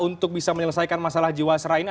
untuk bisa menyelesaikan masalah jiwasra ini